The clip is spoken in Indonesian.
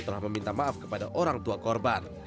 telah meminta maaf kepada orang tua korban